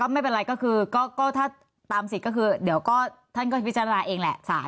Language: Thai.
ก็ไม่เป็นไรถ้าตามสิทธิ์เดี๋ยวขนาฬก็พิจารณาเองสาร